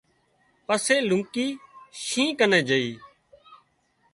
پسي لونڪي شينهن ڪنين جھئي